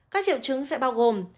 các triệu chứng sẽ bao gồm